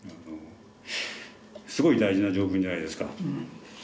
すごい大事な条文じゃないですか。